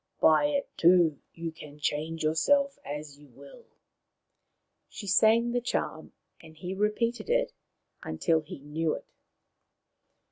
By it, too, you can change yourself as you will." She sang the charm, and he repeated it until 4 he knew it.